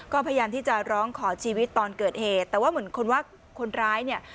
ก็พยายามที่จะร้องขอชีวิตตอนเกิดเหตุแต่ว่าเหมือนคนว่าคนร้ายเนี่ย